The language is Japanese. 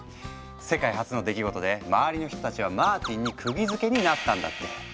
世界初の出来事で周りの人たちはマーティンにくぎづけになったんだって。